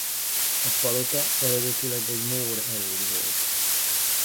A palota eredetileg egy mór erőd volt.